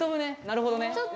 なるほどね。